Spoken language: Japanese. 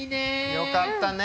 よかったね。